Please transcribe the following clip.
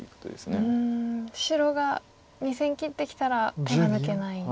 白が２線切ってきたら手は抜けない。